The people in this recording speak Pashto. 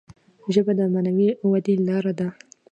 ژبه د معنوي ودي لاره ده.